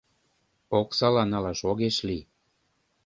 Оксала налаш огеш лий.